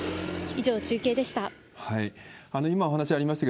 以上、中継でした。